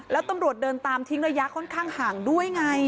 แล้วตำรวจเดินตามทิ้งระยะค่อนข้างห่างด้วยไง